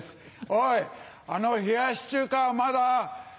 おい冷やし中華はまだ？